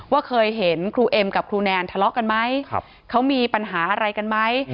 ว่าเคยเห็นครูเอ็มกับครูแนนทะเลาะกันไหมเขามีปัญหาอะไรกันไหม